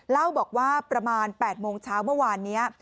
เล่าบอกว่าประมาณ๘โมงเช้าเมื่อวานนี้